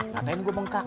katain gua bengkak